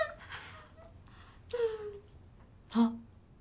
あっ。